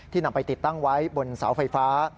นำไปติดตั้งไว้บนเสาไฟฟ้า